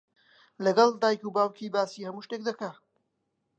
لەگەڵ دایک و باوکی باسی هەموو شتێک دەکات.